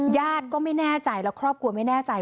ญาติก็ไม่แน่ใจแล้วครอบครัวไม่แน่ใจ